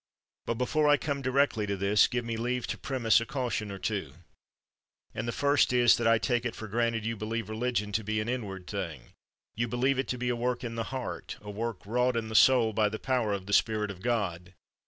But before I come directly to this give me leave to premise a caution or two. And the first is, that I take it for granted you believe religion !o be an inward thing; you believe it to be a vork in the heart, a work wrought in the soul 183 THE WORLD'S FAMOUS ORATIONS by the power of the Spirit of God.